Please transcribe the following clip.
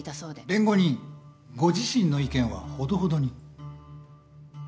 弁護人ご自身の意見はほどほどに。